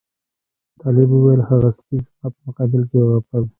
طالب وویل هغه سپي زما په مقابل کې وغپل.